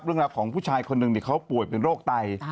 เรื่องราวของผู้ชายคนหนึ่งเขาป่วยเป็นโรคไต